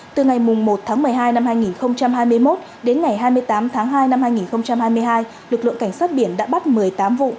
từ ngày một tháng một mươi hai năm hai nghìn hai mươi một đến ngày hai mươi tám tháng hai năm hai nghìn hai mươi hai lực lượng cảnh sát biển đã bắt một mươi tám vụ